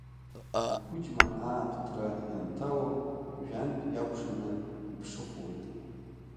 Ақәыџьма ааԥҭра ианҭало, жәантә иакәшаны иԥшыхәуеит.